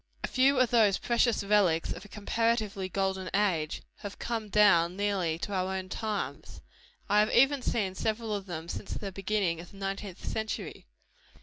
A few of those precious relics of a comparatively golden age, have come down nearly to our own times. I have even seen several of them since the beginning of the nineteenth century.